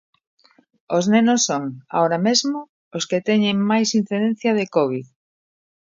Os nenos son, agora mesmo, os que teñen máis incidencia de covid.